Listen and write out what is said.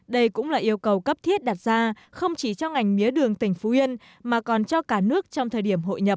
đây cũng là yêu cầu cấp thiết đặt ra không chỉ cho ngành mía đường tỉnh phú yên mà còn cho cả nước trong thời điểm hội nhập